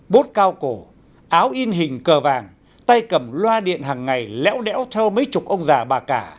bốt cao cổ áo in hình cờ vàng tay cầm loa điện hàng ngày léo đẽo theo mấy chục ông già bà cả